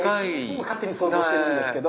勝手に想像してるんですけど。